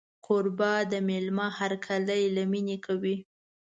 کوربه د مېلمه هرکلی له مینې کوي.